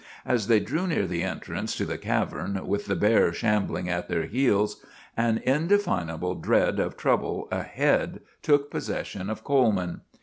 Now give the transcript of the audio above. As they drew near the entrance to the cavern, with the bear shambling at their heels, an indefinable dread of trouble ahead took possession of Coleman.